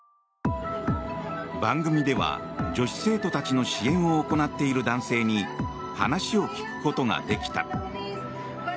番組では女子生徒たちの支援を行っている男性に話を聞くことができた。